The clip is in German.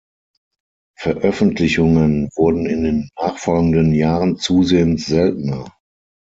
Veröffentlichungen wurden in den nachfolgenden Jahren zusehends seltener.